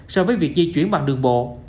so với việc di chuyển bằng đường bộ